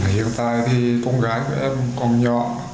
hiện tại thì con gái của em còn nhỏ